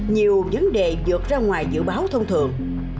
nhiều vấn đề dược ra ngoài dự báo thông thường